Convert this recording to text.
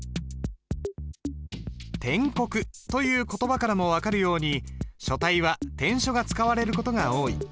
篆刻という言葉からも分かるように書体は篆書が使われる事が多い。